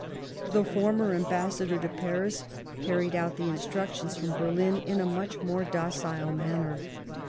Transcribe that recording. The former Ambas sador to Paris carried out the instructions from Ber lin in a much more docile manner.